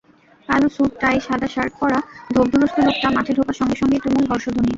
কালো স্যুট-টাই, সাদা শার্ট পরা ধোপদুরস্ত লোকটা মাঠে ঢোকার সঙ্গে সঙ্গেই তুমুল হর্ষধ্বনি।